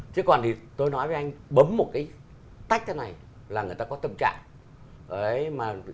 chứ còn thì tôi nói với anh bấm một cái tách thế này là người ta có tâm trạng